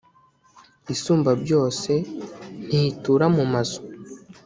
isumbabyose ntitura mu mazu